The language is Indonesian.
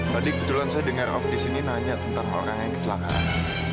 tadi kebetulan saya dengar om di sini nanya tentang orang yang kecelakaan